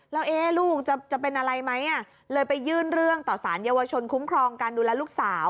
แล้วลูกจะเป็นอะไรไหมเลยไปยื่นเรื่องต่อสารเยาวชนคุ้มครองการดูแลลูกสาว